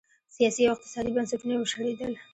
سیاسي او اقتصادي بنسټونه یې وشړېدل.